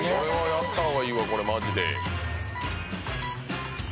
やった方がいいわこれマジで。